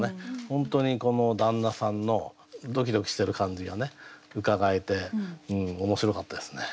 本当にこの旦那さんのドキドキしてる感じがうかがえて面白かったですね。